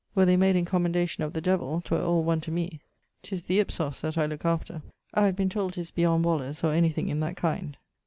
Were they made in commendation of the devill, 'twere all one to me: 'tis the ὕψος that I looke after. I have been told 'tis beyond Waller's or anything in that kind.